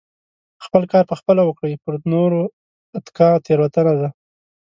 خپل کار په خپله وکړئ پر نورو اتکا تيروتنه ده .